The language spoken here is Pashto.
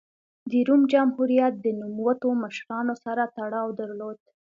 د روم جمهوریت د نوموتو مشرانو سره تړاو درلود.